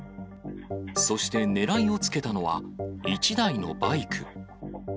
そして狙いをつけたのは、１台のバイク。